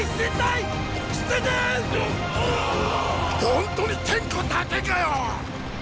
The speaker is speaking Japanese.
本当に点呼だけかよ！